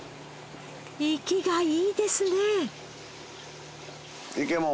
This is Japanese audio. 生きがいいですね！